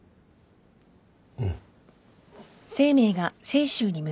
うん。